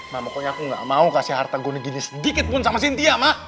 mama pokoknya aku gak mau kasih harta gini gini sedikitpun sama cynthia ma